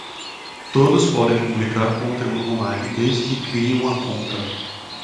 Todos podem publicar conteúdo on-line desde que criem uma conta